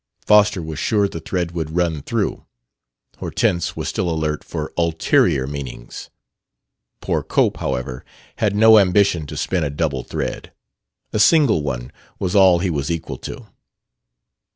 Foster was sure the thread would run through. Hortense was still alert for ulterior meanings. Poor Cope, however, had no ambition to spin a double thread, a single one was all he was equal to.